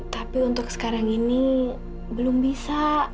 tapi untuk sekarang ini belum bisa